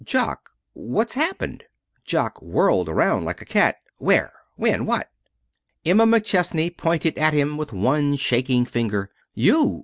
"Jock, what's happened?" Jock whirled around like a cat. "Where? When? What?" Emma McChesney pointed at him with one shaking finger. "You!